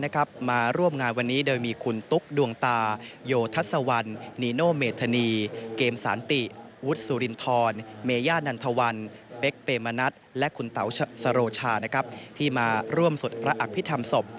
ก็คือสรโชชาที่มาร่วมสดระอักพิธรรมศพ